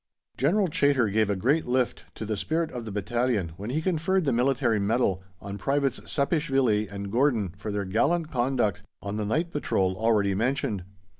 General Chaytor gave a great lift to the spirit of the battalion when he conferred the Military Medal on Privates Sapieshvili and Gordon for their gallant conduct on the night patrol already mentioned.